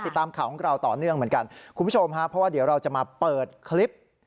ติดตามข่าวของเราต่อเนื่องเหมือนกันคุณผู้ชมฮะเพราะว่าเดี๋ยวเราจะมาเปิดคลิป